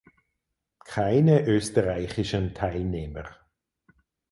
Keine österreichischen Teilnehmer.